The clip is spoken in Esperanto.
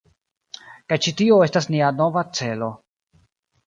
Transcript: Kaj ĉi tio estas nia nova celo